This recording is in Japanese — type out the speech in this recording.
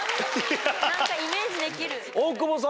何かイメージできる。